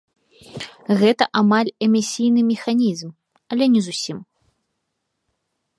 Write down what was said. Гэта амаль эмісійны механізм, але не зусім.